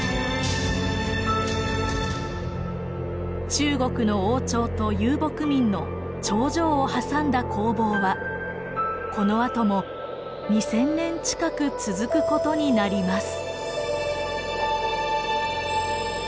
中国の王朝と遊牧民の長城を挟んだ攻防はこのあとも２，０００年近く続くことになります。